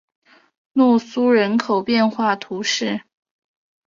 洛苏人口变化图示